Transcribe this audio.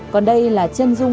còn đây là chân nguyên